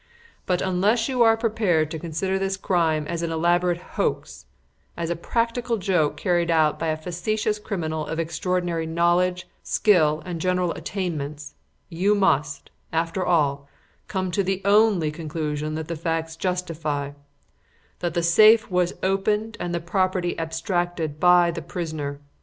But unless you are prepared to consider this crime as an elaborate hoax as a practical joke carried out by a facetious criminal of extraordinary knowledge, skill and general attainments you must, after all, come to the only conclusion that the facts justify: that the safe was opened and the property abstracted by the prisoner.